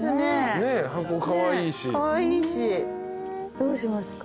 どうしますか？